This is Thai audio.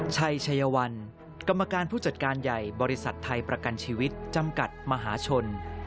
ชัยชัยวัลกรรมการผู้จัดการใหญ่บริษัทไทยประกันชีวิตจำกัดมหาชน